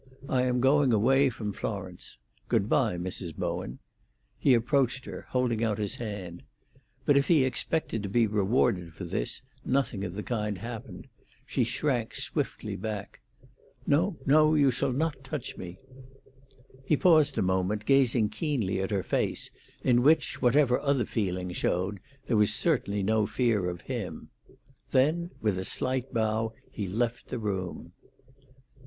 I am going away from Florence. Good bye, Mrs. Bowen." He approached her, holding out his hand. But if he expected to be rewarded for this, nothing of the kind happened. She shrank swiftly back. "No, no. You shall not touch me." He paused a moment, gazing keenly at her face, in which, whatever other feeling showed, there was certainly no fear of him. Then with a slight bow he left the room.